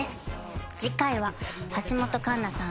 次回は橋本環奈さん